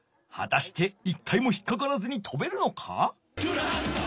はたして一回も引っかからずにとべるのか？